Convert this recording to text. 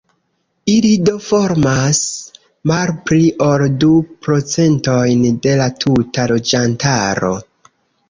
Ili do formas malpli ol du procentojn de la tuta loĝantaro.